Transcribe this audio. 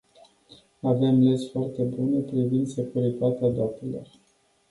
Avem legi foarte bune privind securitatea datelor.